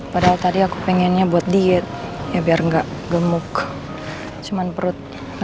padahal tadi aku pengennya buat diet